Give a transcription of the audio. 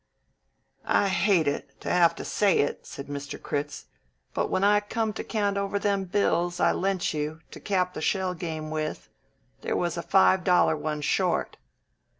"I hate it, to have to say it," said Mr. Critz, "but when I come to count over them bills I lent you to cap the shell game with, there was a five dollar one short."